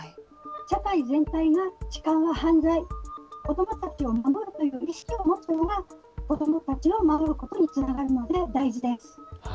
社会全体が子どもたちを守るという意識を持つことが子どもたちを守ることにつながるので大事です。